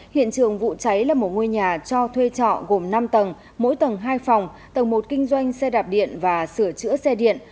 hiện trường vụ cháy là một ngôi nhà cho thuê trọ gồm năm tầng mỗi tầng hai phòng tầng một kinh doanh xe đạp điện và sửa chữa xe điện